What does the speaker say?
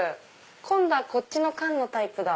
今度はこっちの缶のタイプだ。